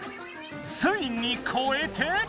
ついにこえて。